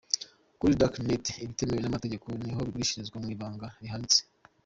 Kuri Dark net ibitemewe n'amategeko niho bigurishirizwa mu ibanga rihanitse.